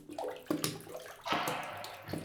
Tessen warraw-im ayefki?